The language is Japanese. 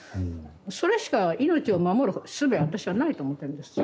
それしかいのちを守るすべは私はないと思ってるんです。